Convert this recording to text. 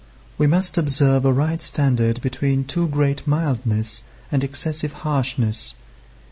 We must observe a right standard between too great mildness and excessive harshness.